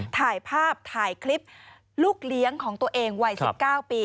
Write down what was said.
ถ่ายภาพถ่ายคลิปลูกเลี้ยงของตัวเองวัย๑๙ปี